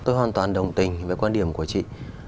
tôi hoàn toàn đồng tình với quan điểm của chị